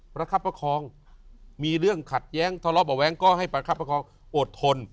ประคับประคองมีเรื่องขัดแย้งทะเลาะเบาะแว้งก็ให้ประคับประคองอดทน